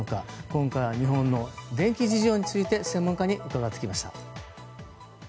今回は日本の電気事情について専門家に伺ってきました。